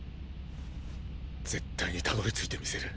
絶対に辿り着いてみせる。